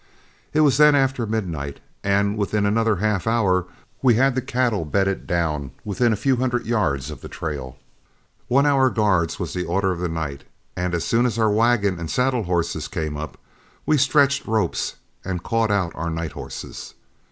It was then after midnight, and within another half hour we had the cattle bedded down within a few hundred yards of the trail. One hour guards was the order of the night, and as soon as our wagon and saddle horses came up, we stretched ropes and caught out our night horses.